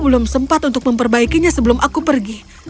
belum sempat untuk memperbaikinya sebelum aku pergi